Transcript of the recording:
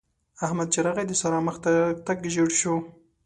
احمد چې راغی؛ د سارا مخ تک ژړ شو.